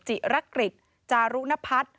จิรกฤทธิ์จารุนพัฒน์